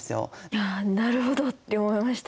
いやなるほどって思いました。